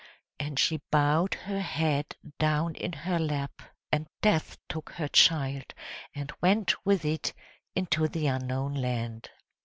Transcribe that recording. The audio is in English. And she bowed her head down in her lap, and Death took her child and went with it into the unknown land.